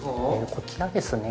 こちらですね